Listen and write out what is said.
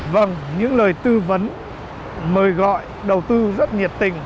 vâng những lời tư vấn mời gọi đầu tư rất nhiệt tình